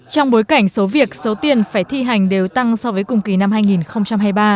trong bối cảnh số việc số tiền phải thi hành đều tăng so với cùng kỳ năm hai nghìn hai mươi ba